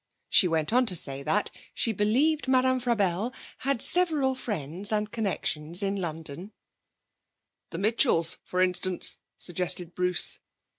She went on to say that she 'believed Madame Frabelle had several friends and connections in London.' 'The Mitchells, for instance,' suggested Bruce.